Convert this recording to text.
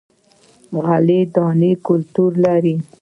غله دانه کلتور دی.